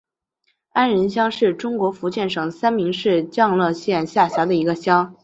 安仁乡是中国福建省三明市将乐县下辖的一个乡。